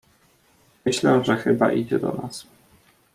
"Myślę, że chyba idzie do nas."